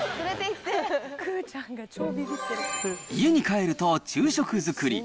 家に帰ると昼食作り。